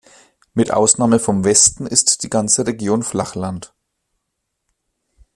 Mit Ausnahme vom Westen ist die ganzen Region Flachland.